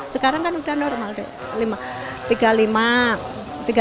sekarang kan sudah normal rp tiga puluh lima